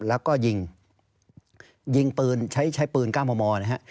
แล้วก็ยิงยิงปืนใช้ปืน๙มมนะฮะ